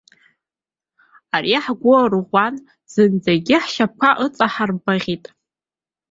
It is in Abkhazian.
Ари ҳгәы арыӷәӷәан, зынӡагьы ҳшьапқәа ыҵаҳарбаӷьеит.